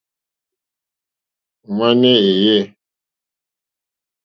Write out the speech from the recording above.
Ŋwáné èyé.